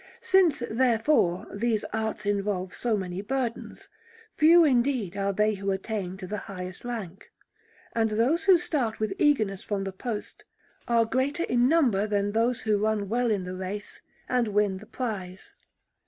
Since, therefore, these arts involve so many burdens, few, indeed, are they who attain to the highest rank; and those who start with eagerness from the post are greater in number than those who run well in the race and win the prize.